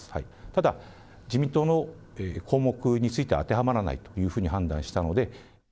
ただ、自民党の項目については当てはまらないというふうに判断したので。